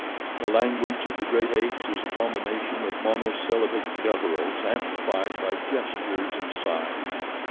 The language of the great apes is a combination of monosyllabic gutturals, amplified by gestures and signs.